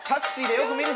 よく見るぞこれ。